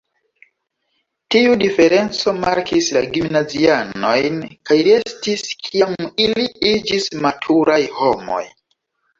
Tiu diferenco markis la gimnazianojn kaj restis kiam ili iĝis maturaj homoj.